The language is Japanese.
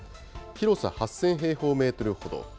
広さ８０００平方メートルほど。